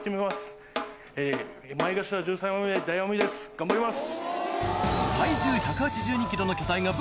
頑張ります！